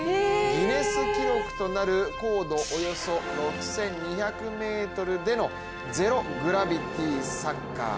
ギネス記録となる高度およそ６２００ｍでのゼロ・グラビティ・サッカー。